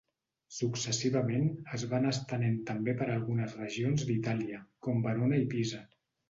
Successivament es va anar estenent també per algunes regions d'Itàlia, com Verona i Pisa.